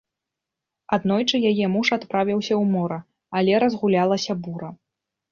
Аднойчы яе муж адправіўся ў мора, але разгулялася бура.